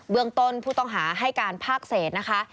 เมืองต้นผู้ต้องหาให้การภาคเศษนะคะ